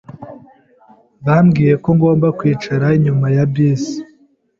Bambwiye ko ngomba kwicara inyuma ya bisi.